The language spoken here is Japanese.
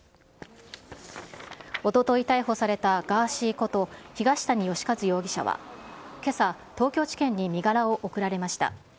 おととい逮捕されたガーシーこと東谷義和容疑者は、けさ、東京地検に身柄を送られました。